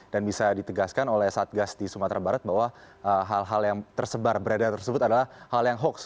dan bisa ditegaskan oleh satgas di sumatera barat bahwa hal hal yang tersebar berada tersebut adalah hal yang hoks